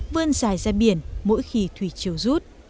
vươn dài ra biển mỗi khi thủy chiều rút